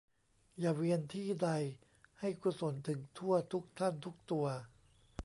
อย่าเวียนที่ใด ให้กุศลถึงทั่ว ทุกท่าน ทุกตัว